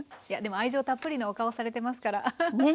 いやでも愛情たっぷりのお顔されてますからアハハッ。